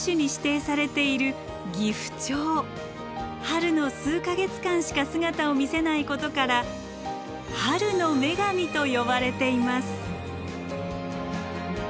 春の数か月間しか姿を見せないことから「春の女神」と呼ばれています。